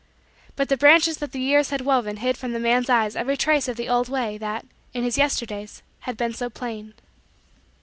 But the branches that the years had woven hid from the man's eyes every trace of the old way that, in his Yesterdays, had been so plain.